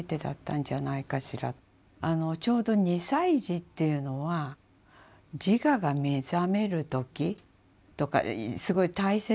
あのちょうど２歳児っていうのは自我が目覚める時とかすごい大切な時期なんですね。